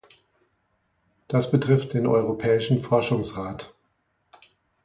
Das betrifft den Europäischen Forschungsrat.